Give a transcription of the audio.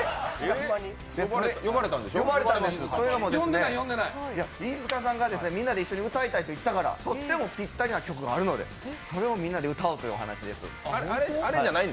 呼ばれたんです、というのも飯塚さんがみんなで一緒に歌いたいって言ってたから、とってもぴったりな曲があるので、それをみんなで歌おうと。